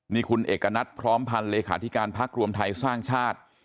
นี่คุณเอกณัฐพร้อมพันธ์เลขาธิการพักรวมไทยสร้างชาติ